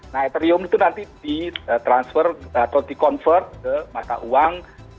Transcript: nah etherium itu nanti di transfer atau di convert ke mata uang